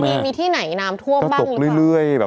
มีที่ไหนน้ำท่วมบ้างหรือเปล่า